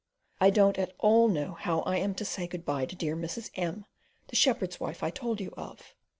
I don't at all know how I am to say good bye to my dear Mrs. M , the shepherd's wife I told you of.